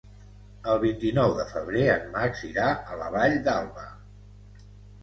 El vint-i-nou de febrer en Max irà a la Vall d'Alba.